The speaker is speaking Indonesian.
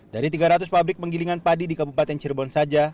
dari tiga ratus pabrik penggilingan padi di kabupaten cirebon saja